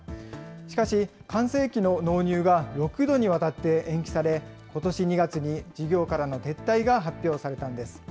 しかし、完成機の納入が６度にわたって延期され、ことし２月に事業からの撤退が発表されたんです。